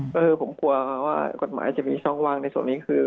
ก็คือผมกลัวว่ากฎหมายจะมีช่องว่างในส่วนนี้คือ